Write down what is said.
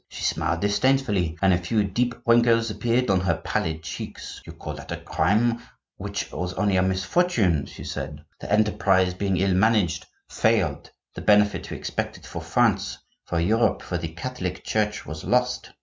She smiled disdainfully, and a few deep wrinkles appeared on her pallid cheeks. 'You call that a crime which was only a misfortune,' she said. 'The enterprise, being ill managed, failed; the benefit we expected for France, for Europe, for the Catholic Church was lost.